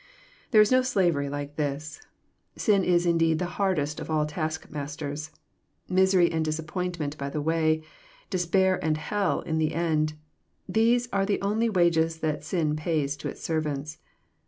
There is no slavery like this. Sin is indeed the hardest of all task masters. Misery and disappointment by the way, despair and hell in the end, — these are the only wages that sin pays to its servants.